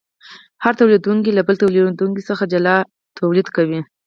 هر تولیدونکی له بل تولیدونکي څخه جلا تولید کوي